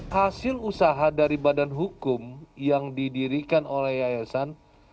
hasil usaha dari badan hukum yang didirikan oleh yayasan